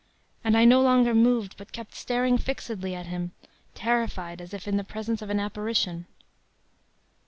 And I no longer moved, but kept staring fixedly at him, terrified as if in the presence of an apparition.